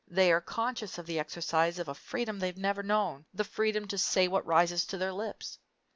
They are conscious of the exercise of a freedom they have never known the freedom to say what rises to the lips.